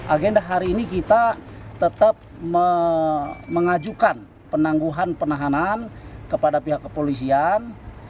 agenda hari ini kita tetap mengajukan penangguhan penahanan kepada pihak kepolisian